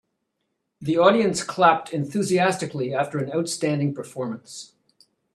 The audience clapped enthusiastically after an outstanding performance.